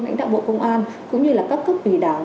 lãnh đạo bộ công an cũng như là các cấp ủy đảng